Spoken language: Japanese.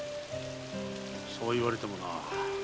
そう言われてもな。